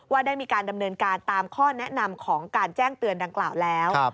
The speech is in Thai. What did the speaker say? ได้มีการดำเนินการตามข้อแนะนำของการแจ้งเตือนดังกล่าวแล้ว